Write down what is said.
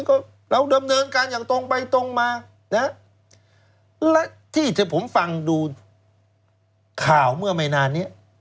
ก็เราดำเนินการอย่างตรงไปตรงมานะและที่ที่ผมฟังดูข่าวเมื่อไม่นานนี้